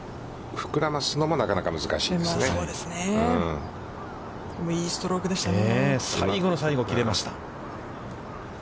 膨らますのもなかなか難しいですね。